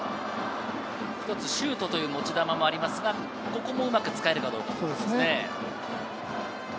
シュートという持ち球もありますが、ここもうまく使えるかどうか。